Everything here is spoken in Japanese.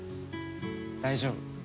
大丈夫。